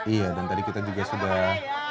iya dan tadi kita juga sudah